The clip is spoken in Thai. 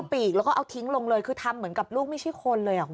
พิ้งปีกลงเลยคือทำเหมือนกับลูกไม่ใช่คนเลย